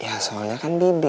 ya soalnya kan bibi